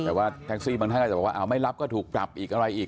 แต่ว่าแท็กซี่บางท่านอาจจะบอกว่าไม่รับก็ถูกปรับอีกอะไรอีก